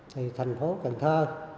thì thành phố cần thơ